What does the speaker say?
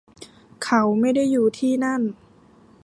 เขาไม่ได้อยู่ที่นั่น